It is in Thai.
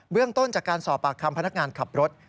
เรื่องต้นจากการสอบปากคำพนักงานขับรถ